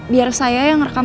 biar saya yang rekam